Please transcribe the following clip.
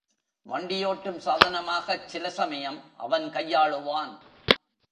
வண்டியோட்டும் சாதனமாகச் சில சமயம் அவன் கையாளுவான்.